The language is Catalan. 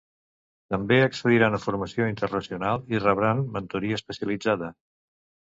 També accediran a formació internacional i rebran mentoria especialitzada.